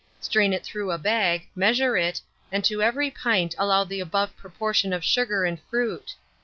Strain it through a bag, measure it, and to every pint allow the above proportion of sugar and fruit.